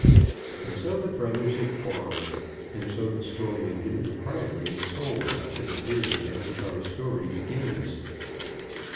And so the brothers had quarrelled; and so the story of Newton Priory is told up to the period at which our story begins.